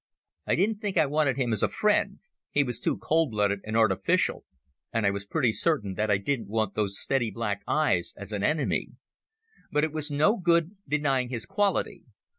I didn't think I wanted him as a friend—he was too cold blooded and artificial; and I was pretty certain that I didn't want those steady black eyes as an enemy. But it was no good denying his quality.